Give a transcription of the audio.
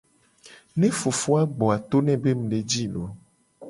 Ne fofo a gbo a to ne be mu le ji i loo.